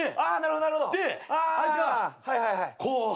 であいつがこう。